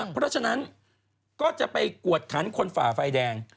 เพราะฉะนั้นก็จะไปกวดขันคนฝ่าไฟแดง